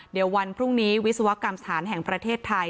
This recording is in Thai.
เดี๋ยววันพรุ่งนี้วิศวกรรมสถานแห่งประเทศไทย